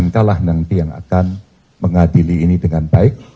mk lah nanti yang akan mengadili ini dengan baik